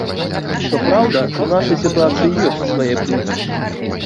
Што праўда, у нашай сітуацыі ёсць свае плюсы.